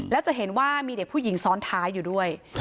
แล้วจะเห็นว่ามีเด็กผู้หญิงซ้อนท้ายอยู่ด้วย